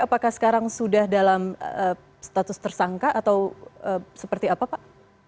apakah sekarang sudah dalam status tersangka atau seperti apa pak